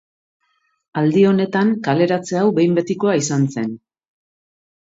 Aldi honetan kaleratze hau behin betikoa izan zen.